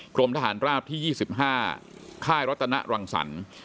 กรมทหารราบที่ยี่สิบห้าค่ายรัฐนรังสรรค์